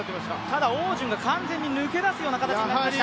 ただ汪順が完全に抜け出すような形になりました。